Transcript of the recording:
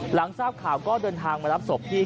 หลังทราบข่าวก็เดินทางมารับศพพี่